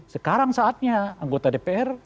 sekarang saatnya anggota dpr